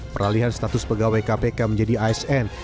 peralihan status pegawai kpk menjadi asn